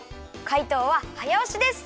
かいとうははやおしです！